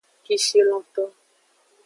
Kishilonto.